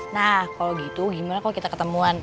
nah kalau gitu gimana kalau kita ketemuan